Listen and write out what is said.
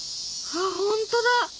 あっほんとだ！